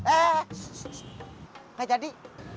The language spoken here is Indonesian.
eh gak jadi